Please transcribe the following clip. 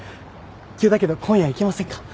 急だけど今夜行きませんか？